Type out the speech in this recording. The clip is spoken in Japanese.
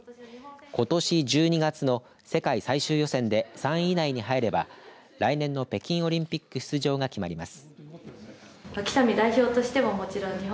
ことし１２月の世界最終予選で３位以内に入れば来年の北京オリンピック出場が決まります。